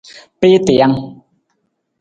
Piitijang.